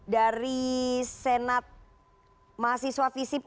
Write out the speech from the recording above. dari senat mahasiswa fisib